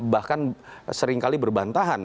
bahkan seringkali berbantahan